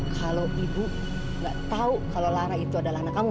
kalau ibu nggak tahu kalau lara itu adalah anak kamu